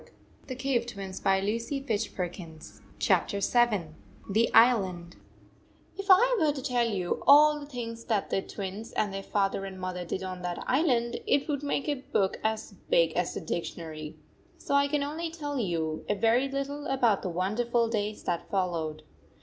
The beaches were covered with star fish "5 VII THE ISLAND i IF I were to tell you all the things that the Twins and their father and mother did on that island, it would make a book as big as the dictionary; so I can only tell you a very little about the wonderful days that followed.